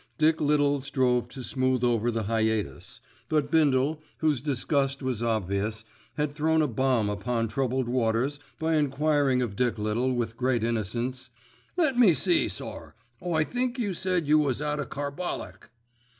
Dick Little strove to smooth over the hiatus; but Bindle, whose disgust was obvious, had thrown a bomb upon troubled waters by enquiring of Dick Little with great innocence, "Let me see, sir, I think you said you was out o' carbolic'!"